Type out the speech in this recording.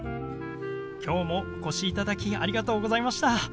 今日もお越しいただきありがとうございました。